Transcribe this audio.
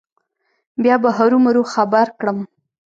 بیا به هرو مرو خبر کړم.